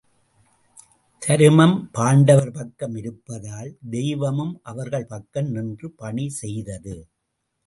தருமம் பாண்டவர் பக்கம் இருப்பதால் தெய்வமும் அவர்கள் பக்கம் நின்று பணி செய்தது.